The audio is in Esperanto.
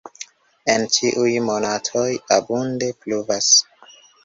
En ĉiuj monatoj abunde pluvas.